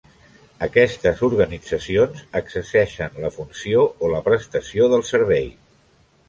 Aquestes organitzacions exerceixen la funció o la prestació del servei.